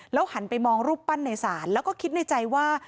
หันไปมองรูปปั้นในศาลแล้วก็คิดในใจว่า